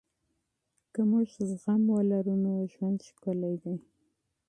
که موږ زغم ولرو نو ژوند ښکلی دی.